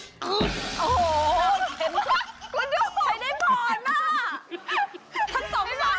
อัปหมติกือดเกือดเกือด